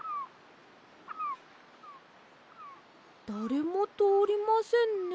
だれもとおりませんね。